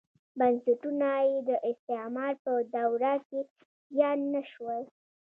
بنسټونه یې د استعمار په دوره کې زیان نه شول.